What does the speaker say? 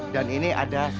dan ini ada sedikit